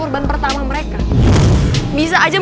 dan sekarang kenanya